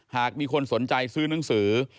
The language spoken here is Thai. หากมีคนสนใจซื้อหนังสือ